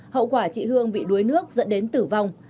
hậu quả chị hương bị đuối nước dẫn đến tử vong